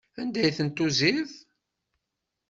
Anda ay tent-tuziḍ?